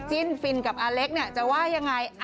จิ้นฟิลด์กับอาเล็กจะว่ายังไง